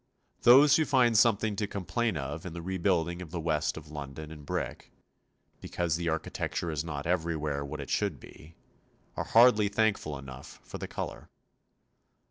Those who find something to complain of in the rebuilding of the west of London in brick, because the architecture is not everywhere what it should be, are hardly thankful enough for the colour.